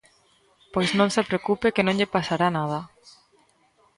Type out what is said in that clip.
"Pois non se preocupe que non lle pasará nada"."